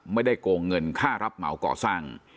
โกงเงินค่ารับเหมาก่อสร้าง